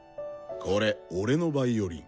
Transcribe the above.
これ俺のヴァイオリン。